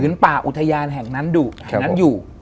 ผืนป่าอุทยานแห่งนั้นอยู่